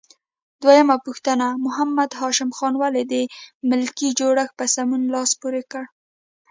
دویمه پوښتنه: محمد هاشم خان ولې د ملکي جوړښت په سمون لاس پورې کړ؟